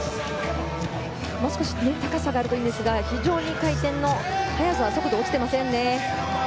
もう少し高さがあるといいですが非常に回転の速さ速度が落ちていませんね。